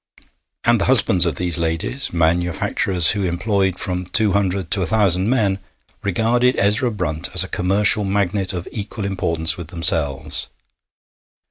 And the husbands of these ladies, manufacturers who employed from two hundred to a thousand men, regarded Ezra Brunt as a commercial magnate of equal importance with themselves.